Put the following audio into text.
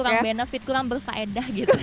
kurang benefit kurang berfaedah gitu